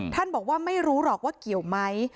ท่านบอกว่าไม่รู้หรอกว่าเกี่ยวไหม